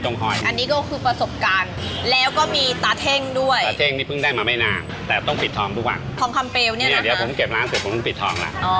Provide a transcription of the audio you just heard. ทองคำเปลเนี่ยนะครับเดี๋ยวผมเก็บร้านเสร็จผมต้องปิดทองละ